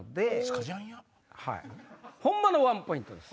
ホンマのワンポイントです